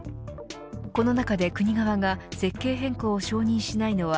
この中で国側が設計変更を承認しないのは